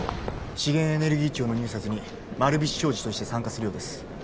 資源エネルギー庁の入札に丸菱商事として参加するようです